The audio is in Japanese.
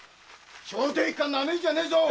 聖天一家なめんじゃねえぞ！